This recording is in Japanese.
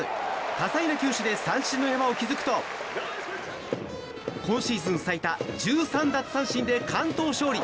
多彩な球種で三振の山を築くと今シーズン最多１３奪三振で完投勝利。